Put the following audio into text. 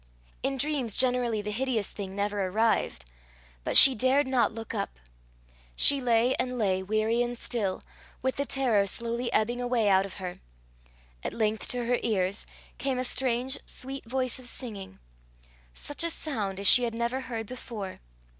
In dreams generally the hideous thing never arrived. But she dared not look up. She lay and lay, weary and still, with the terror slowly ebbing away out of her. At length to her ears came a strange sweet voice of singing such a sound as she had never heard before.